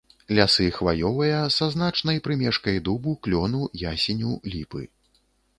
Лясы хваёвыя са значнай прымешкай дубу, клёну, ясеню, ліпы.